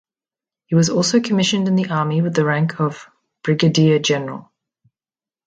He was also commissioned in the army with the rank of brigadier-general.